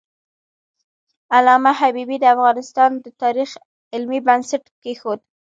علامه حبیبي د افغانستان د تاریخ علمي بنسټ کېښود.